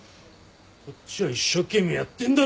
こっちは一生懸命やってんだろうが。